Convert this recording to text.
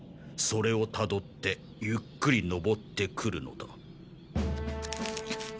それをたどってゆっくり登ってくるのだ。